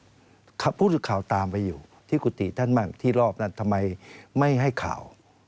ผู้สื่อข่าวตามไปอยู่ที่กุฏิท่านมากที่รอบนั้นทำไมไม่ให้ข่าว